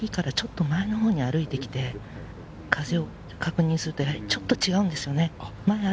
私、今ティーからちょっと前のほうに歩いてきて、風を確認すると、ちょっと違うんですよね。